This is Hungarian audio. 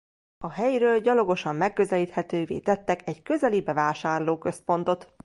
A helyről gyalogosan megközelíthetővé tettek egy közeli bevásárlóközpontot.